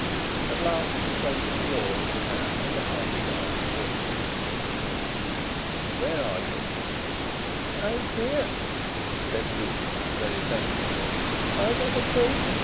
At last he felt the floor of the van under half a yard of water. "Where are you?" "I'm here," said Ruth, very plaintively. "I'm on a table.